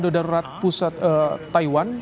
darurat pusat taiwan